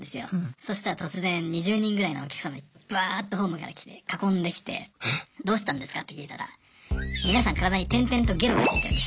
そしたら突然２０人ぐらいのお客様ブワーッとホームから来て囲んできてどうしたんですかって聞いたら皆さん体に点々とゲロがついてるんです。